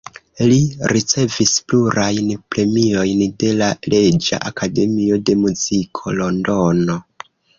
Li ricevis plurajn premiojn de la Reĝa Akademio de Muziko, Londono.